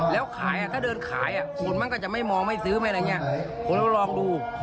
ถ้าเดินขายอ่ะคนก็ไม่มองมาไม่ซื้อไม่แล้วก็คงลองดู